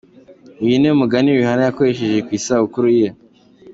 Uyu niwe mugati Rihanna yakoresheje ku isabukuru ye.